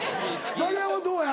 丸山どうや？